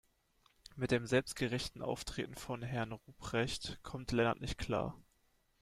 Mit dem selbstgerechten Auftreten von Herrn Ruprecht kommt Lennart nicht klar.